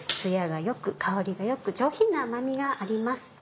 艶が良く香りが良く上品な甘みがあります。